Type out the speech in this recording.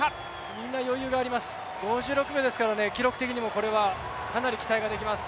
みんな余裕があります、５６秒ですからね、記録的にもこれはかなり期待できます。